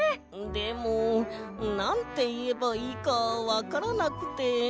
でもなんていえばいいかわからなくて。